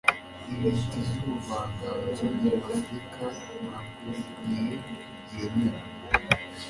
intiti z'ubuvanganzo nyafurika ntabwo buri gihe zemera